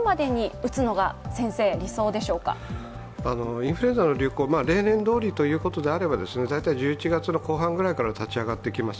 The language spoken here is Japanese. インフルエンザの流行、例年どおりということなら大体１１月の後半ごろから立ち上がってきます。